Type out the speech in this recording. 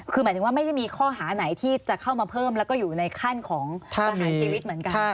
คือหมายถึงว่าไม่ได้มีข้อหาไหนที่จะเข้ามาเพิ่มแล้วก็อยู่ในขั้นของประหารชีวิตเหมือนกัน